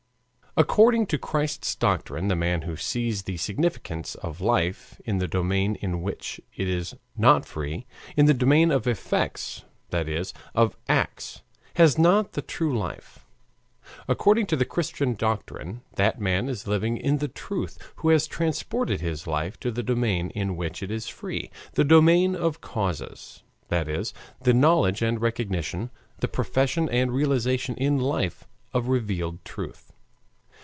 According to Christ's doctrine, the man who sees the significance of life in the domain in which it is not free, in the domain of effects, that is, of acts, has not the true life. According to the Christian doctrine, that man is living in the truth who has transported his life to the domain in which it is free the domain of causes, that is, the knowledge and recognition, the profession and realization in life of revealed truth.